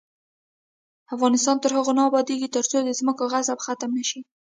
افغانستان تر هغو نه ابادیږي، ترڅو د ځمکو غصب ختم نشي.